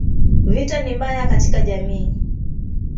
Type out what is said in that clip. Vita ni mbaya katika jamiii